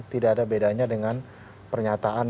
tidak ada bedanya dengan pernyataan